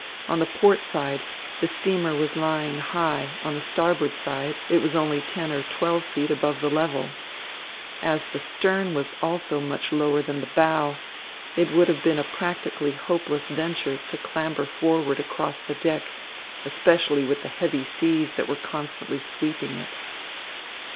On the port side, the steamer was lying high, on the starboard side, it was only ten or twelve feet above the level. As the stern was also much lower than the bow, it would have been a practically hopeless venture to clamber forward across the deck, especially with the heavy seas that were constantly sweeping it.